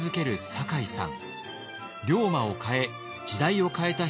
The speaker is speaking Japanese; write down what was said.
酒井さん